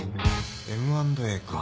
Ｍ＆Ａか。